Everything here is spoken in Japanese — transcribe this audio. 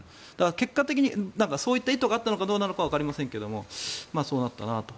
結果的にそういった意図があったのかどうかはわかりませんがそうなったなと。